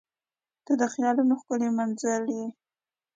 • ته د خیالونو ښکلی منزل یې.